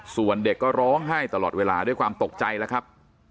ส่วนเด็กก็ร้องไห้ตลอดเวลาด้วยความตกใจแล้วครับ